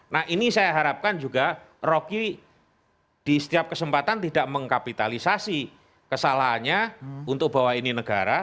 nah ini saya harapkan juga rocky di setiap kesempatan tidak mengkapitalisasi kesalahannya untuk bahwa ini negara